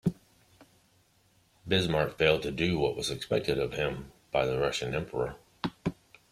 Bismarck failed to do what was expected of him by the Russian emperor.